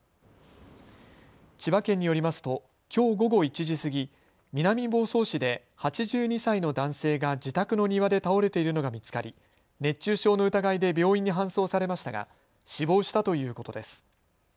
千葉県によりますときょう午後１時過ぎ、南房総市で８２歳の男性が自宅の庭で倒れているのが見つかり熱中症の疑いで病院に搬送されましたが死亡したということです。